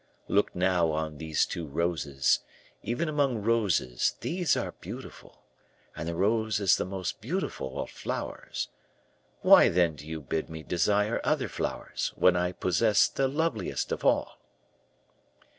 Look now on these two roses; even among roses these are beautiful, and the rose is the most beautiful of flowers. Why, then, do you bid me desire other flowers when I possess the loveliest of all?"